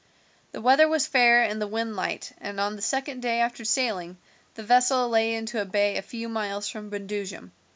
The weather was fair and the wind light, and on the second day after sailing the vessel lay to in a bay a few miles from Brundusium.